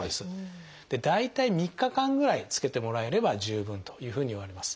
大体３日間ぐらいつけてもらえれば十分というふうにいわれます。